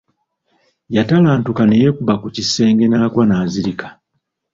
Yatalantuka ne yeekuba ku kisenge n'agwa n'azirika.